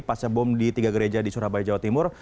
pasca bom di tiga gereja di surabaya jawa timur